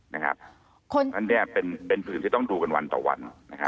ดังนั้นเป็นพื้นที่ต้องดูกันวันต่อวัน